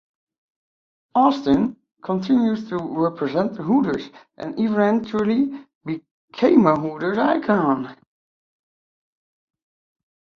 Austin continues to represent Hooters and eventually became a "Hooters Icon.".